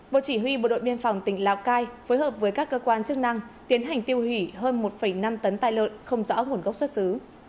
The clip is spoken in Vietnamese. bộ chỉ huy bộ đội biên phòng tỉnh lào cai phối hợp với các cơ quan chức năng tiến hành tiêu hủy hơn một năm tấn tài lợn không rõ nguồn gốc xuất xứ